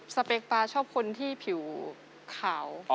สเปคตาชอบคนที่ผิวขาว